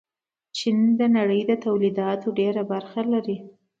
چین د نړۍ تولیداتو ډېره برخه لري.